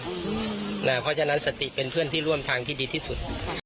เพราะฉะนั้นสติเป็นเพื่อนที่ร่วมทางที่ดีที่สุด